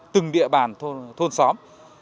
từng địa bàn thôn xóm